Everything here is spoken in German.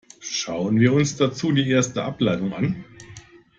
Schauen wir uns dazu die erste Ableitung an.